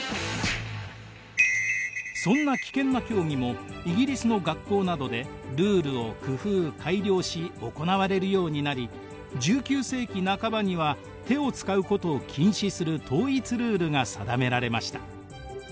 そんな危険な競技もイギリスの学校などでルールを工夫改良し行われるようになり１９世紀半ばには手を使うことを禁止する統一ルールが定められました。